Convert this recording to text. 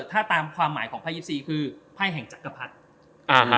ถ้าตามความหมายของไพ่๒๔คือไพ่แห่งจักรพรรดิ